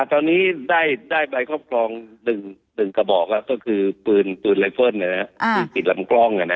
ตอนนี้ได้ใบครอบครอง๑กระบอกก็คือปืนไลเฟิลที่ติดลำกล้อง